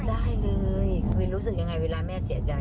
ได้เลยรู้สึกยังไงเวลาแม่เสียใจ